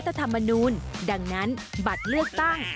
ไม่ชอบตามรัฐธรรมนูญดังนั้นบัตรเลือกตั้ง